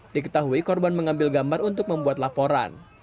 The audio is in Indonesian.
diketahui korban mengambil gambar untuk membuat laporan